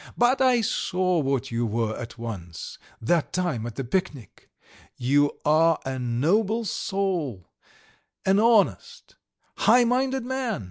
But I saw what you were at once that time at the picnic. You are a noble soul, an honest, high minded man!